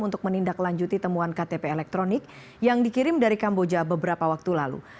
untuk menindaklanjuti temuan ktp elektronik yang dikirim dari kamboja beberapa waktu lalu